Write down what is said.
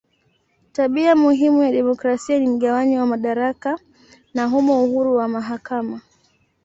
Tabia muhimu ya demokrasia ni mgawanyo wa madaraka na humo uhuru wa mahakama.